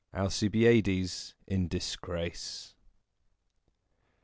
ALCIBIADES IN DISGRACE.